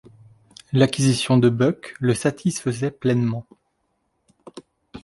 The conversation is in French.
L’acquisition de Buck le satisfaisait pleinement.